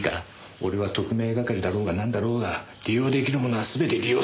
俺は特命係だろうがなんだろうが利用出来るものは全て利用する。